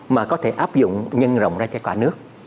mà có thể áp dụng nhân rộng ra cho cả nước